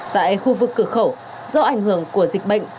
tại khu vực cửa khẩu do ảnh hưởng của dịch bệnh